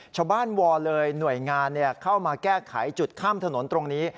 วอนเลยหน่วยงานเข้ามาแก้ไขจุดข้ามถนนตรงนี้